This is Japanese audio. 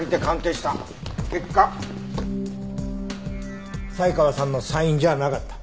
結果才川さんのサインじゃなかった。